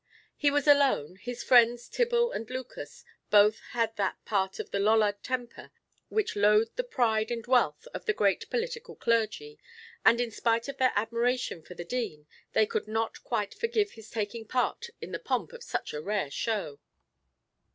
He was alone, his friends Tibble and Lucas both had that part of the Lollard temper which loathed the pride and wealth of the great political clergy, and in spite of their admiration for the Dean they could not quite forgive his taking part in the pomp of such a rare show.